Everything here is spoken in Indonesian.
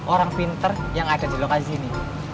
orang pinter yang ada di lokasi ini